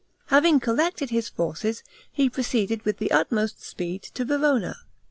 Having collected his forces, he proceeded with the utmost speed to Verona.